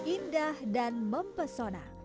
indah dan mempesona